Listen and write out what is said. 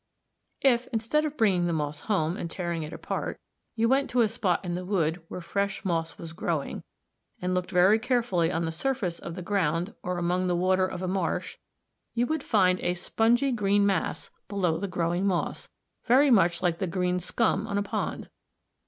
If, instead of bringing the moss home and tearing it apart, you went to a spot in the wood where fresh moss was growing, and looked very carefully on the surface of the ground or among the water of a marsh, you would find a spongy green mass below the growing moss, very much like the green scum on a pond.